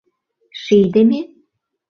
Шийдыме?!